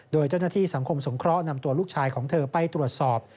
โดยเจ้าหน้าที่สังคมสงเคราะห์นำตัวลูกชายของเธอไปตรวจสอบ